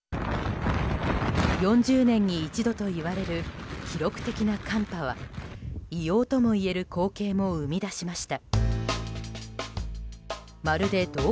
４０年に一度といわれる記録的な寒波は異様ともいえる光景も生み出しました。